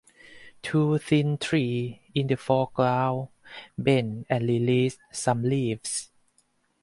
Two thin trees in the foreground bend and release some leaves.